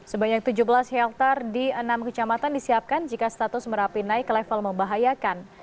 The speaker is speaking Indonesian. sebanyak tujuh belas heltar di enam kecamatan disiapkan jika status merapi naik ke level membahayakan